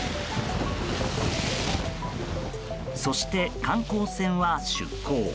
そして、観光船は出航。